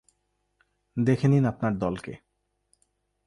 দেখে নিন আপনার দলকে।